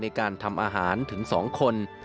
ในการทำอาหารถึง๒คน